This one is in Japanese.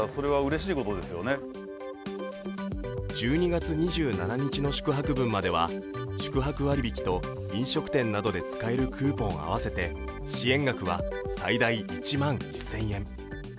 １２月２７日の宿泊分までは宿泊割引と飲食店などで使えるクーポン合わせて支援額は最大１万１０００円。